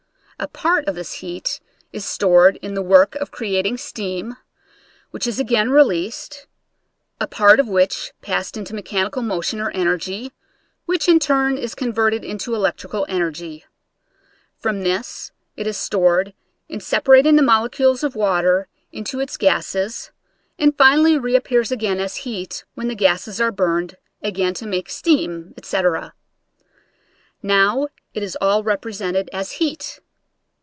A part of this heat is stored in the work of creating steam, which is again released, a part of which passes into mechanical motion or energy, which in turn is converted into electrical en ergy. From this it is stored in separating the molecules of water into its gases and finally reappears again as heat when the gases aro burned, again to make steam, etc. Now it is all represented as heat.